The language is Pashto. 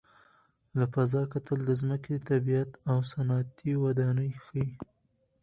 له فضا کتل د ځمکې طبیعي او صنعتي ودانۍ ښيي.